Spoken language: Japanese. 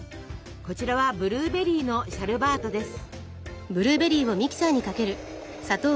こちらはブルーベリーのシャルバートです。